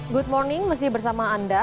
good morning masih bersama anda